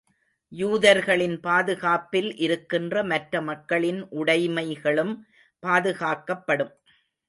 யூதர்களின் பாதுகாப்பில் இருக்கின்ற மற்ற மக்களின் உடைமைகளும் பாதுகாக்கப்படும்.